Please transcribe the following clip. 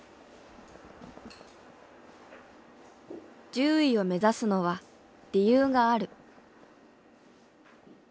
獣医を目指すのは理由がある。